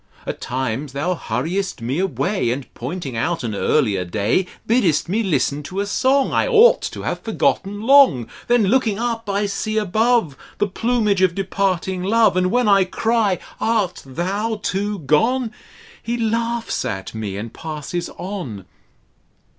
At times thou hurriest me away. And, pointing out an earlier day, Biddest me hsten to a song I ought to have forgotten long : Then, looking up, I see above The plumage of departing Love, And when I cry, Art thou too gone ? He laughs at me and passes on.